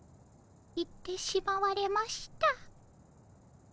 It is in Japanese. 行ってしまわれました。